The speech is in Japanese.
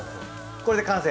これで完成。